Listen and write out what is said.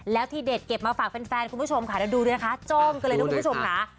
แล้วที่เด็ดเก็บมาฝากแฟนคุณผู้ชมค่ะเดี๋ยวดูนะคะจ้องกันเลยนะคุณผู้ชมค่ะ